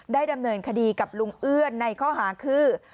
ดำเนินคดีกับลุงเอื้อนในข้อหาคือ